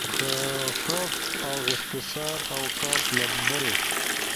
مخفف اؤ اختصار، اوقاف، لمبرے